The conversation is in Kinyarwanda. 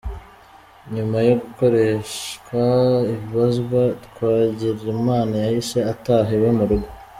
Nyuma yo gukoreshwa ibazwa, Twagirimana yahise ataha iwe mu rugo.